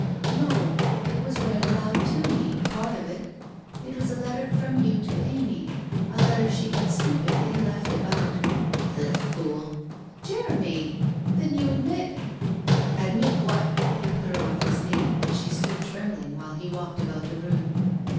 ' Xo, it was read aloud to me — part of it! It was a letter from you to Amy, a letter she had stupidly left about '< Little fool !»' Jeremy ! Then you admit ' 1 Admit what? ' He put her off his knee, and she stood trembling while he walked about the room.